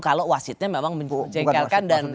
kalau wasitnya memang menjengkelkan dan